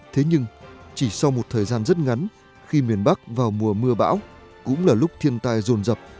thế nhưng chỉ sau một thời gian rất ngắn khi miền bắc vào mùa mưa bão cũng là lúc thiên tài dồn dập